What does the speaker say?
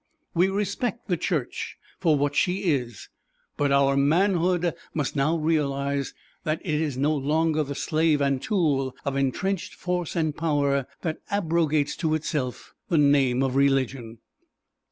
We respect the Church for what she is, but our manhood must now realize that it is no longer the slave and tool of entrenched force and power that abrogates to itself the name of religion."